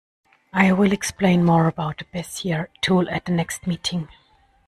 I will explain more about the Bezier tool at the next meeting.